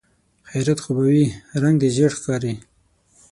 خيرت خو به وي؟ رنګ دې ژېړ ښکاري.